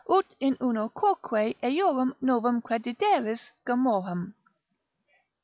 ut in unoquoque eorum novam credideris Gomorrham.